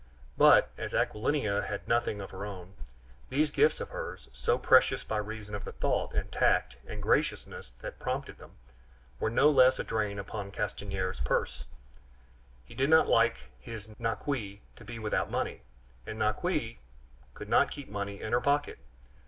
But, as Aquilina had nothing of her own, these gifts of hers, so precious by reason of the thought and tact and graciousness that prompted them, were no less a drain upon Castanier's purse; he did not like his Naqui to be without money, and Naqui could not keep money in her pocket.